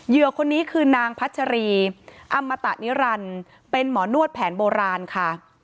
คนนี้คือนางพัชรีอำมตะนิรันดิ์เป็นหมอนวดแผนโบราณค่ะ